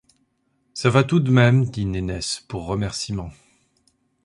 Ça va tout de même, dit Nénesse pour remerciement.